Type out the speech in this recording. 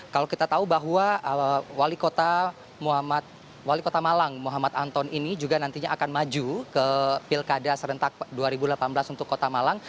kalau kita tahu bahwa wali kota malang muhammad anton ini juga nantinya akan maju ke pilkada serentak dua ribu delapan belas untuk kota malang